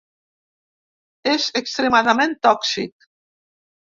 És extremadament tòxic.